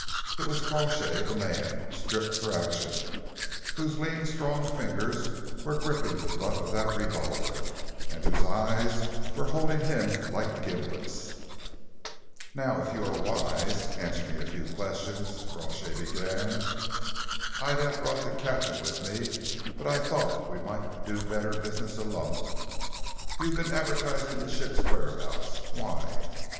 It was Crawshay the man, stripped for action, whose lean, strong fingers were gripping the butt of that revolver, and whose eyes were holding him like gimlets. "Now, if you are wise, answer me a few questions," Crawshay began. "I'd have brought the captain with me, but I thought we might do better business alone. You've been advertising the ship's whereabouts. Why?"